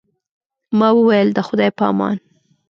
ما وویل، د خدای په امان.